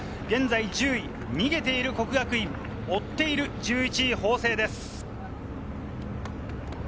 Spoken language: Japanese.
現在１０位、逃げている國學院、追っている１１位・法政です。